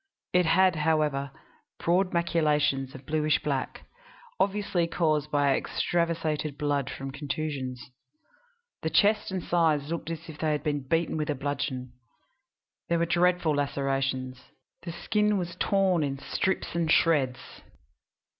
It had, however, broad maculations of bluish black, obviously caused by extravasated blood from contusions. The chest and sides looked as if they had been beaten with a bludgeon. There were dreadful lacerations; the skin was torn in strips and shreds.